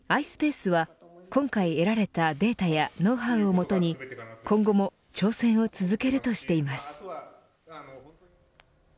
ｉｓｐａｃｅは、今回得られたデータやノウハウを基に今後も挑戦を続けるとしています。